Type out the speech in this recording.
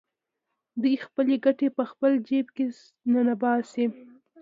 دوی خپلې ګټې په خپل جېب کې ننباسي